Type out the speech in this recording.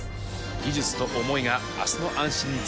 技術と思いが明日の安心につながっていく。